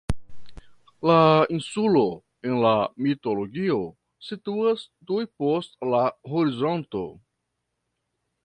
La insulo, en la mitologio, situas tuj post la horizonto.